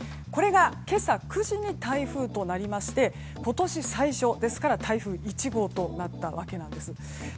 これが今朝９時に台風となりまして今年最初ですから台風１号となったわけなんです。